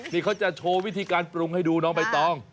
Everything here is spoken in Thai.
นี่เขาจะโชว์วิธีการปรุงให้ดูน้องใบตอง